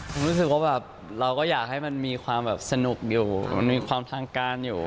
ผมรู้สึกว่าแบบเราก็อยากให้มันมีความแบบสนุกอยู่มันมีความทางการอยู่